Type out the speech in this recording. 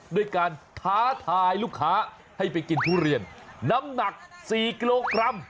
ด้วยการท้าทายลูกค้าให้ไปกินทุเรียนน้ำหนัก๔กิโลกรัม